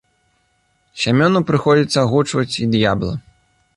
Сямёну прыходзіцца агучваць і д'ябла.